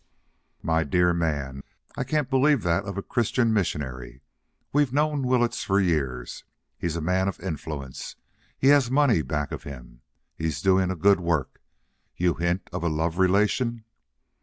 "My dear man, I can't believe that of a Christian missionary. We've known Willetts for years. He's a man of influence. He has money back of him. He's doing a good work. You hint of a love relation."